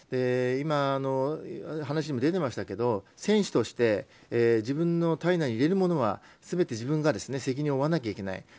今、話にも出ていましたが選手として自分の体内に入れるものは全て自分が責任を負わなければいけない。